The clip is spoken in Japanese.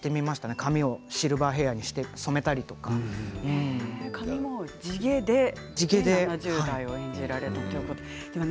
髪をシルバーヘアに髪の毛も、地毛で７０代を演じられたということですね。